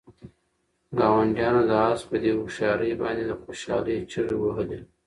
ګاونډیانو د آس په دې هوښیارۍ باندې د خوشحالۍ چیغې وهلې.